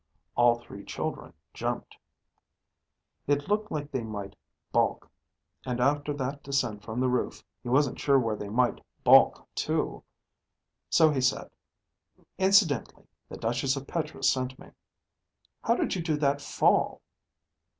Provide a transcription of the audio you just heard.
All three children jumped. It looked like they might balk, and after that descent from the roof, he wasn't sure where they might balk to. So he said, "Incidentally, the Duchess of Petra sent me. How did you do that fall?"